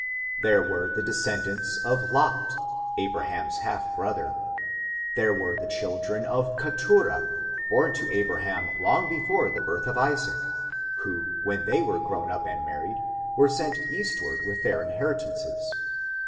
There were the descendants of Lot, Abraham's half brother. There were the children of Katura^ born to Abraham long before the birth of Isaac, who, when they were grown up and married, were sent eastward with their inheritances.